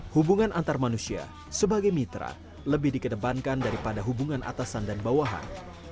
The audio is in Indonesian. hubungan antar manusia sebagai mitra lebih dikedepankan daripada hubungan atasan dan bawahan